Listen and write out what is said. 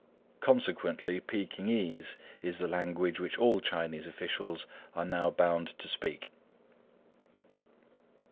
Consequently, Pekingese is the language which all Chinese officials are now bound to speak.